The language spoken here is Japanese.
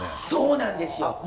そうなんですよ！